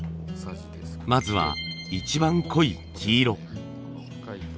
まずは一番濃い黄色。